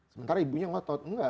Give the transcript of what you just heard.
sementara ibunya ngotot enggak